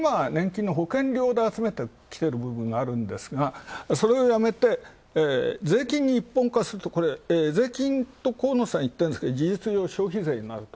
保険料で集めてきてる部分があるがそれをやめて、税金に一本化するとこれ、税金と河野さんは言ってるが事実上消費税になると。